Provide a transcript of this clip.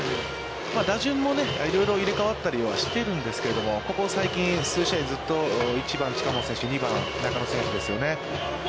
打順もいろいろ入れかわったりはしてるんですけど、ここ最近、数試合ずっと１番近本選手、２番中野選手ですよね。